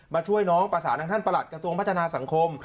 ช่วยน้องประสานทางท่านประหลัดกระทรวงพัฒนาสังคม